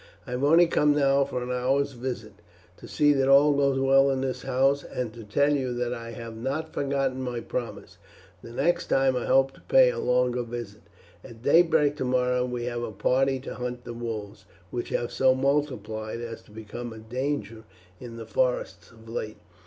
I have only come now for an hour's visit, to see that all goes well in this house, and to tell you that I had not forgotten my promise; the next time I hope to pay a longer visit. At daybreak tomorrow we have a party to hunt the wolves, which have so multiplied as to become a danger in the forests of late."